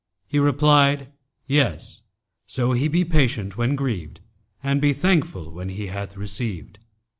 He replied, 'Yes, so he be patient when grieved and be thankful when he hath received.'